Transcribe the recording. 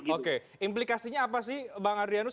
oke implikasinya apa sih bang adrianus